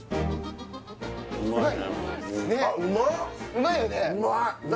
うまいよね